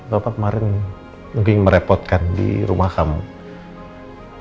bapak kemarin mungkin merepotkan di rumah kamu